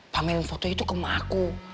pamerin foto itu ke aku